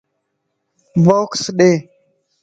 باڪس ڏي